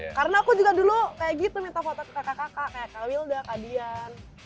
karena aku juga dulu kayak gitu minta foto ke kakak kakak kayak kak wilda kak dian